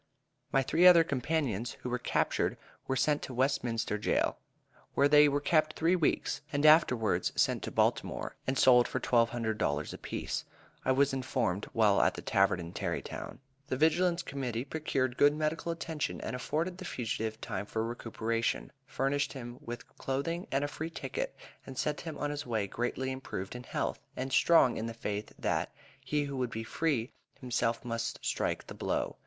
My three other companions, who were captured, were sent to Westminster jail, where they were kept three weeks, and afterwards sent to Baltimore and sold for twelve hundred dollars a piece, as I was informed while at the tavern in Terrytown." [Illustration: DESPERATE CONFLICT IN A BARN.] The Vigilance Committee procured good medical attention and afforded the fugitive time for recuperation, furnished him with clothing and a free ticket, and sent him on his way greatly improved in health, and strong in the faith that, "He who would be free, himself must strike the blow."